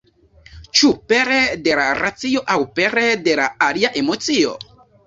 Ĉu pere de la racio aŭ pere de alia emocio?